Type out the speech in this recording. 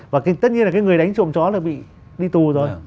và tất nhiên là cái người đánh trộm chó là bị đi tù rồi